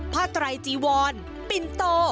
ผ้าตรายจีวอนปินโต